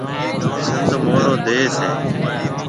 سنڌه مهورو ديس هيَ۔